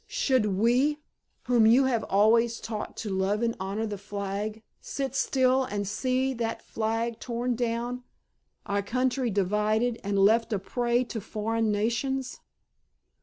Should we, whom you have always taught to love and honor the flag, sit still and see that flag torn down, our country divided, and left a prey to foreign nations?"